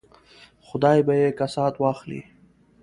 خدای به یې کسات واخلي.